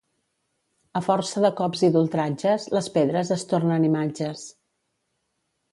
A força de cops i d'ultratges, les pedres es tornen imatges.